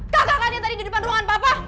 kakak kakaknya tadi di depan ruangan papa